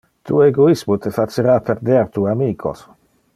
Tu egoismo te facera perder tu amicos.